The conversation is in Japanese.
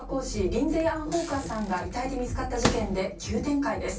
リンゼイ・アン・ホーカーさんが遺体で見つかった事件で急展開です。